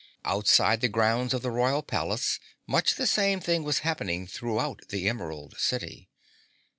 Outside the grounds of the Royal Palace, much the same thing was happening throughout the Emerald City.